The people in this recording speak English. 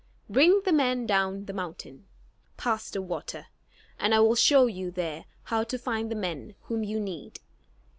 Bring the men down the mountain, past the water, and I will show you there how to find the men whom you need."